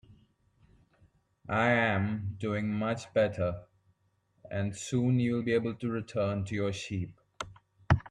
I'm doing much better, and soon you'll be able to return to your sheep.